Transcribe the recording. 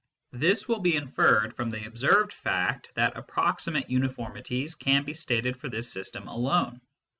This will be inferred from the observed fact that approximate uniformities can be stated for this system alone.